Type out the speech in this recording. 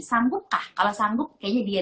sanggup kah kalau sanggup kayaknya dia